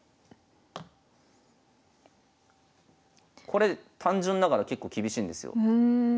これ単純ながら結構厳しいんですよ。